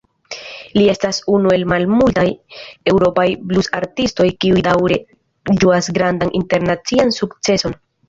Li estas unu el la malmultaj eŭropaj blus-artistoj kiuj daŭre ĝuas grandan internacian sukceson.